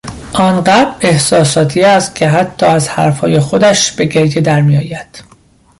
آنقدر احساساتی استکه حتی از حرفهای خودش به گریه درمیآید.